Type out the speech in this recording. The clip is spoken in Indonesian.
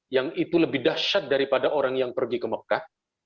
yang itu lebih dahsyat daripada orang yang pergi ke mekah